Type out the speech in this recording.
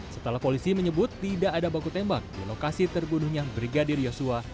setelah polisi menyebut tidak ada baku tembak di lokasi terbunuhnya brigadir yosua